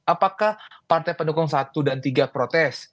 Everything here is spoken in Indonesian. apakah partai pendukung satu dan tiga protes